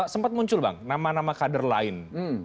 sempat muncul bang nama nama kader lain